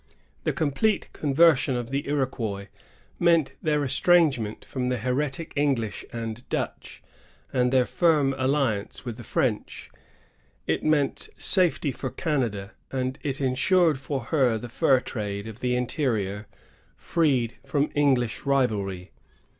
The complete conversion of the Iroquois meant their estrangement from the heretic English and Dutch, and their firm alliance with the French. It meant safety for Canada, and it insured for her the fur trade of the interior freed from English rivalry.